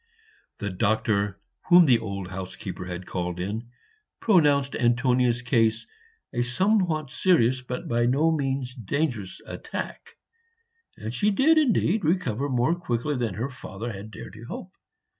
The doctor, whom the old housekeeper had called in, pronounced Antonia's case a somewhat serious but by no means dangerous attack; and she did indeed recover more quickly than her father had dared to hope.